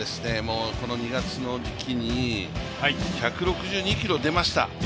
この２月の時期に１６２キロ出ました。